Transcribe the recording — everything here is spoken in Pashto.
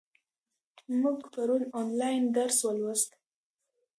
موږ پرون آنلاین درس ولوست.